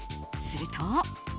すると。